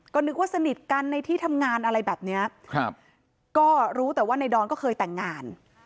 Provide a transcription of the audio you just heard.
ก็นึกว่าสนิทกันในที่ทำงานอะไรแบบเนี้ยครับก็รู้แต่ว่าในดอนก็เคยแต่งงาน